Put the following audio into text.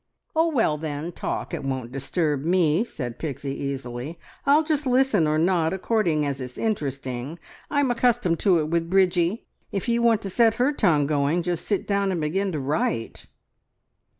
"Oh, well then, talk! It won't disturb me," said Pixie easily; "I'll just listen or not, according as it's interesting. I'm accustomed to it with Bridgie. If you want to set her tongue going, just sit down and begin to write..."